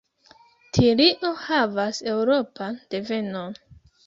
Tilio havas Eŭropan devenon.